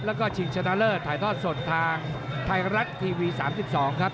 แล้วก็ชิงชนะเลิศถ่ายทอดสดทางไทยรัฐทีวี๓๒ครับ